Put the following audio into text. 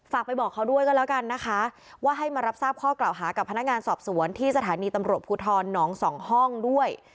ไปบอกเขาด้วยก็แล้วกันนะคะว่าให้มารับทราบข้อกล่าวหากับพนักงานสอบสวนที่สถานีตำรวจภูทรหนองสองห้องด้วย